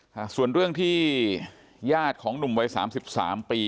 ค่ะส่วนเรื่องที่ญาติของหนุ่มวัย๓๓ปี